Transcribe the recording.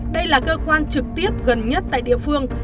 đây là cơ quan trực tiếp gần nhất tại địa phương